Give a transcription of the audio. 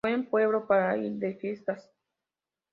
Buen pueblo para ir de fiestas.